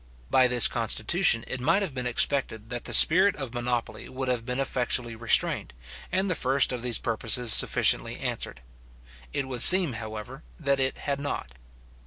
By this constitution, it might have been expected, that the spirit of monopoly would have been effectually restrained, and the first of these purposes sufficiently answered. It would seem, however, that it had not.